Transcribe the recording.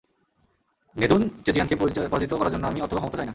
নেদুনচেজিয়ানকে পরাজিত করার জন্য আমি অর্থ বা ক্ষমতা চাই না।